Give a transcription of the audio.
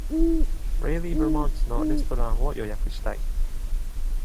Reily Vermont のレストランを予約したい。